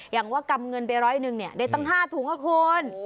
อย่างว่ากำเงินไปร้อยหนึ่งเนี่ยได้ตั้ง๕ถุงก็ควร